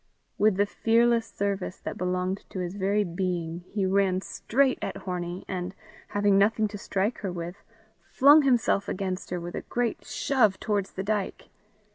With the fearless service that belonged to his very being, he ran straight at Hornie, and, having nothing to strike her with, flung himself against her with a great shove towards the dyke.